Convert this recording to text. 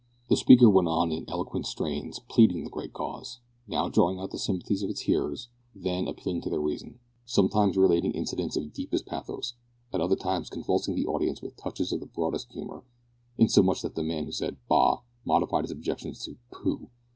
The speaker went on in eloquent strains pleading the great cause now drawing out the sympathies of his hearers, then appealing to their reason; sometimes relating incidents of deepest pathos, at other times convulsing the audience with touches of the broadest humour, insomuch that the man who said "bah!" modified his objections to "pooh!"